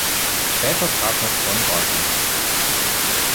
Später trat noch John Bardeen hinzu.